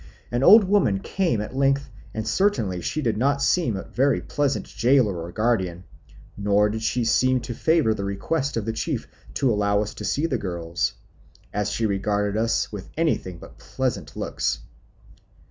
The old woman came at length and certainly she did not seem a very pleasant jailor or guardian; nor did she seem to favour the request of the chief to allow us to see the girls, as she regarded us with anything but pleasant looks.